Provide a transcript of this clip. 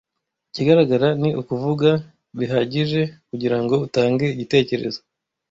Ikigaragara; ni ukuvuga, bihagije kugirango utange igitekerezo